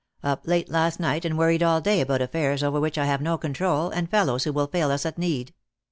" Up late last night and worried all day about aifairs over which I have no control, and fellows who will fail us at need.